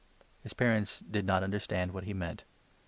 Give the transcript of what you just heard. " His parents did not understand what he meant.